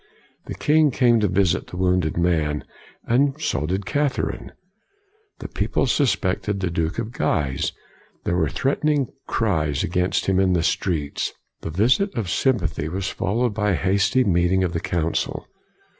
The king came to visit the \vounded man, and so did Cath erine. The people suspected the Duke of Guise. There were threatening cries against him in the streets. The visit of sympathy was followed by a hasty meeting of the Council.